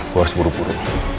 gue harus buru buru